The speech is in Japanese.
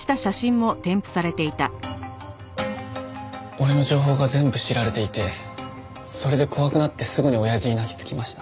俺の情報が全部知られていてそれで怖くなってすぐにおやじに泣きつきました。